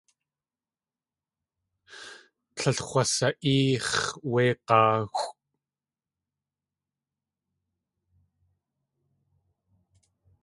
Tlél x̲wasa.éex̲ wé g̲áaxʼw.